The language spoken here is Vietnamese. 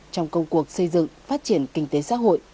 trong công cuộc xây dựng phát triển kinh tế xã hội